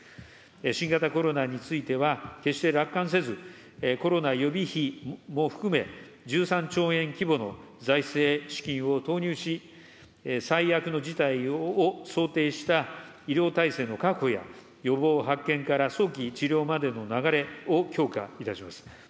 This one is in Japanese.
新型コロナについては、決して楽観せず、コロナ予備費も含め、１３兆円規模の財政資金を投入し、最悪の事態を想定した医療体制の確保や、予防、発見から早期治療までの流れを強化いたします。